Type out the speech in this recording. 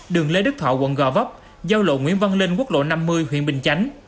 đường lê đức thọ quận gò vấp giao lộ nguyễn văn linh quốc lộ năm mươi huyện bình chánh